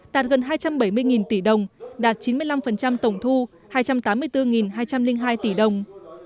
đạt gần hai trăm bảy mươi tỷ đồng đạt chín mươi năm tổng thu hai trăm tám mươi bốn hai trăm linh hai tỷ đồng